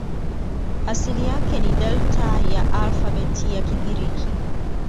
Asili yake ni Delta ya alfabeti ya Kigiriki.